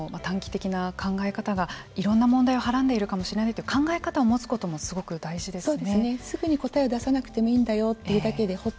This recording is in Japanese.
すべての短期的な考え方がいろんな問題をはらんでいるかもしれないという考え方を持つこともすごく大事ですね。